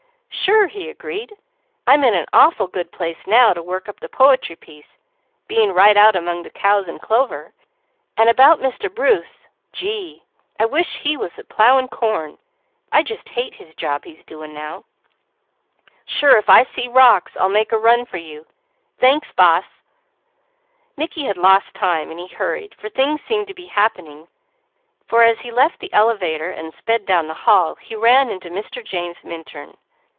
"Sure!" he agreed. "I'm in an awful good place now to work up the poetry piece, being right out among the cows and clover. And about Mr. Bruce, gee! I wish he was plowing corn. I just hate his job he's doing now. Sure if I see rocks I'll make a run for you. Thanks Boss!" Mickey had lost time, and he hurried, but things seemed to be happening, for as he left the elevator and sped down the hall, he ran into Mr. James Minturn.